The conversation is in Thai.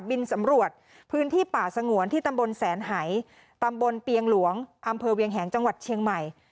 บินสำรวจพื้นที่ป่าสงวนที่ตำบลแสนหายตำบลเปียงหลวงอำเภอเวียงแหงจังหวัดเชียงใหม่